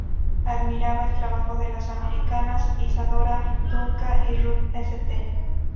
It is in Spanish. Admiraba el trabajo de las americanas Isadora Duncan y Ruth St.